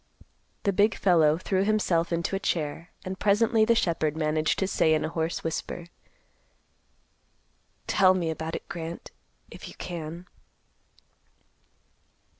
The big fellow threw himself into a chair, and presently the shepherd managed to say in a hoarse whisper, "Tell me about it, Grant, if you can."